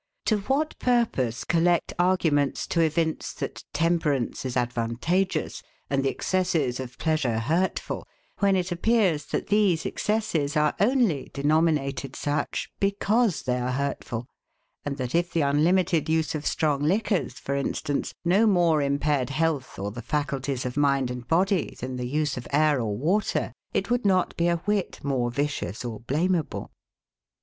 To what purpose collect arguments to evince that temperance is advantageous, and the excesses of pleasure hurtful, when it appears that these excesses are only denominated such, because they are hurtful; and that, if the unlimited use of strong liquors, for instance, no more impaired health or the faculties of mind and body than the use of air or water, it would not be a whit more vicious or blameable?